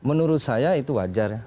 menurut saya itu wajar